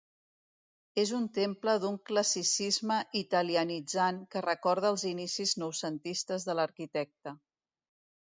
És un temple d'un classicisme italianitzant que recorda els inicis noucentistes de l'arquitecte.